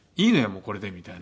もうこれでみたいな。